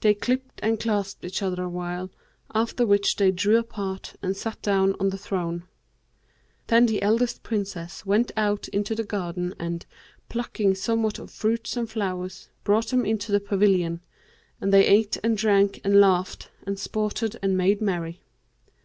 They clipped and clasped each other awhile, after which they drew apart and sat down on the throne. Then the eldest Princess went out into the garden and, plucking somewhat of fruits and flowers, brought them into the pavilion; and they ate and drank and laughed and sported and made merry.